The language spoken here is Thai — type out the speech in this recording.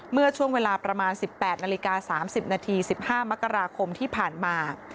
เมื่อช่วงเวลาประมาณ๑๘นาฬิกา๓๐นาที๑๕มกราคมที่ผ่านมา